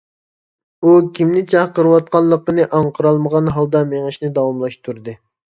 ئۇ كىمنى چاقىرىۋاتقانلىقىنى ئاڭقىرالمىغان ھالدا مېڭىشنى داۋاملاشتۇردى.